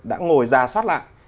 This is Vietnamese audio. đã ngồi ra soát lại